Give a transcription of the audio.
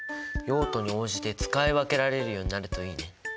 用途に応じて使い分けられるようになるといいね。